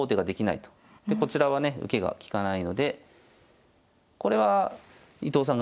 でこちらはね受けが利かないのでこれは伊藤さんがね